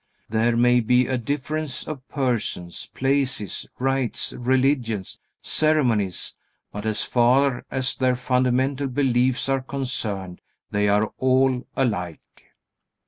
There may be a difference of persons, places, rites, religions, ceremonies, but as far as their fundamental beliefs are concerned they are all alike.